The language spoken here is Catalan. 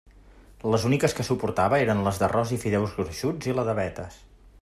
Les úniques que suportava eren les d'arròs i fideus gruixuts i la de vetes.